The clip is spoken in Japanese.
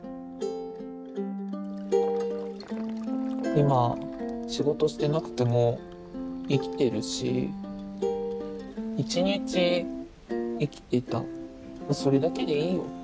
今仕事してなくても生きてるし一日生きてたそれだけでいいよって。